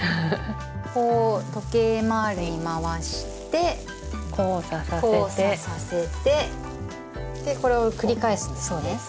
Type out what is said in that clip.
こう時計回りに回して交差させてこれを繰り返すんですね？